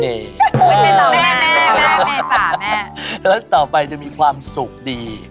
ไม่ใช่ต่อแม่ไม่ฟะแม่และต่อไปจะมีความสุขดี